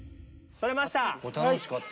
・とれました・